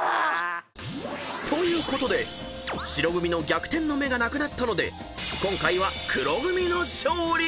［ということで白組の逆転の目がなくなったので今回は黒組の勝利！］